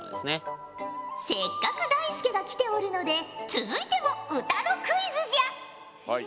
せっかくだいすけが来ておるので続いても歌のクイズじゃ！